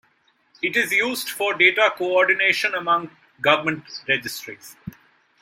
It is used for data coordination among government registries.